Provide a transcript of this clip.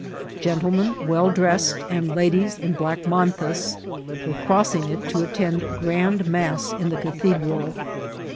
Gentlemen well dressed, and ladies in black mantas, were crossing it to attend grand mass in the Cathedral.